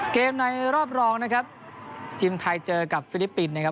ในรอบรองนะครับทีมไทยเจอกับฟิลิปปินส์นะครับ